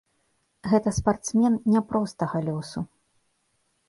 Гэта спартсмен няпростага лёсу.